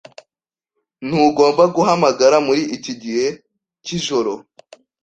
Ntugomba guhamagara muri iki gihe cyijoro.